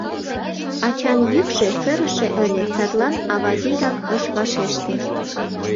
Ачан йӱкшӧ сырыше ыле, садлан ава вигак ыш вашеште.